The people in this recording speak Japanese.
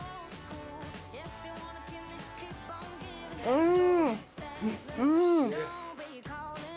うん！